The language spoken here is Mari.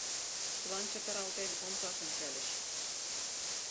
Чылан чытыралтен омсаш ончальыч.